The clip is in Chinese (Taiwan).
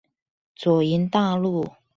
左營大路